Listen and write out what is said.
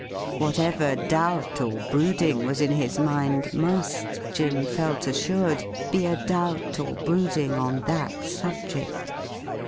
Whatever doubt or brooding was in his mind must, Jim felt assured, be a doubt or brooding on that subject.